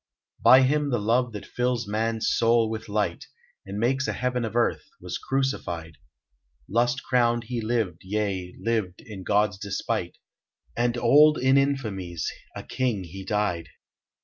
By him the love that fills man's soul with light, And makes a Heaven of Earth, was crucified; Lust crowned he lived, yea, lived in God's despite, And old in infamies, a king he died.